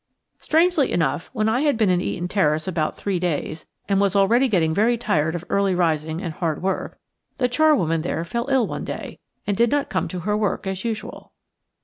Strangely enough, when I had been in Eaton Terrace about three days, and was already getting very tired of early rising and hard work, the charwoman there fell ill one day and did not come to her work as usual.